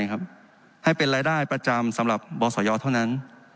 ให้เป็นรายได้ประจำสำหรับบศยเท่านั้น